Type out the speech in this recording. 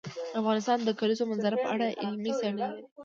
افغانستان د د کلیزو منظره په اړه علمي څېړنې لري.